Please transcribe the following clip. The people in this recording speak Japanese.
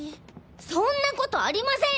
そんなことありません！